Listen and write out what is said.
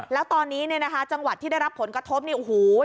แล้วตอนนี้เนี่ยนะคะจังหวัดที่ได้รับผลกระทบนี่โอ้โห